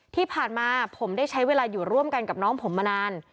ที่ผ่านมาผมได้ใช้เวลาอยู่ร่วมกันกับน้องผมมานาน